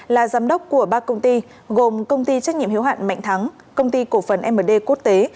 là giám đốc của ba công ty gồm công ty trách nhiệm hiếu hạn mạnh thắng công ty cổ phần md quốc tế